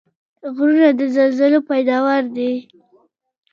غرونه د زلزلو پیداوار دي.